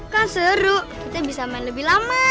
kan seru kita bisa main lebih lama